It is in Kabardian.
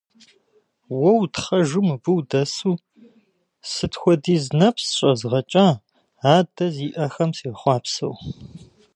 Уэ утхъэжу мыбы удэсу, сыт хуэдиз нэпс щӀэзгъэкӀа адэ зиӀэхэм сехъуапсэу.